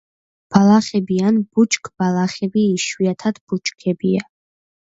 ბალახები ან ბუჩქბალახები, იშვიათად ბუჩქებია.